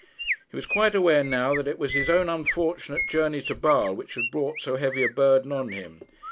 He was quite aware now that it was his own unfortunate journey to Basle which had brought so heavy a burden on him.